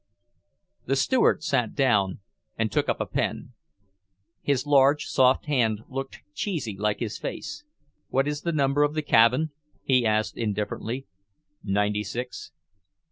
The Steward sat down, and took up a pen. His large, soft hand looked cheesy, like his face. "What is the number of the cabin?" he asked indifferently. "Ninety six."